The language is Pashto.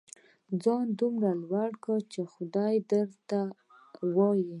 ځان دومره لوړ کړه چې خدای درته ووايي.